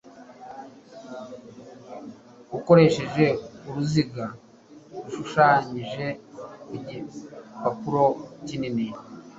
ukoresheje uruziga rushushanyije ku gipapuro kinini